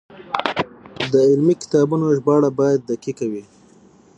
د علمي کتابونو ژباړه باید دقیقه وي.